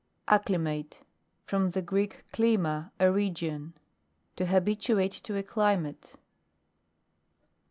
ACCLIMATE From the Greek, klirna, a region: to habituate to a climate.